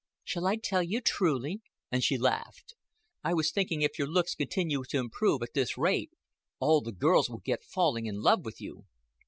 "Shall I tell you truly?" and she laughed. "I was thinking if your looks continue to improve at this rate all the girls will get falling in love with you."